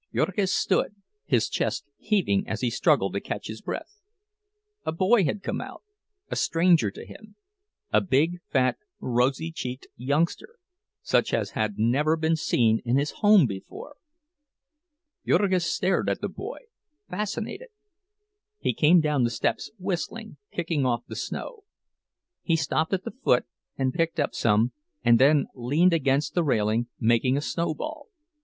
Jurgis stood, his chest heaving as he struggled to catch his breath. A boy had come out, a stranger to him; a big, fat, rosy cheeked youngster, such as had never been seen in his home before. Jurgis stared at the boy, fascinated. He came down the steps whistling, kicking off the snow. He stopped at the foot, and picked up some, and then leaned against the railing, making a snowball.